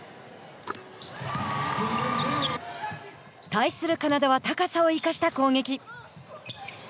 対するカナダは高さを生かした攻撃。